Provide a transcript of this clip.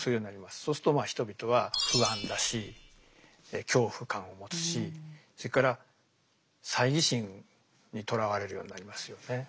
そうすると人々は不安だし恐怖感を持つしそれから猜疑心にとらわれるようになりますよね。